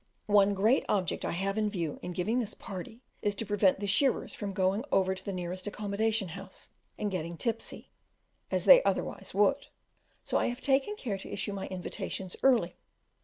One great object I have in view in giving this party is to prevent the shearers from going over to the nearest accommodation house and getting tipsy, as they otherwise would; so I have taken care to issue my invitations early.